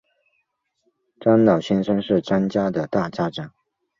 张老先生是张家的大家长